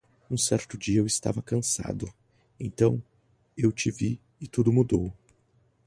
Um certo dia eu estava cansado, então eu te vi e tudo mudou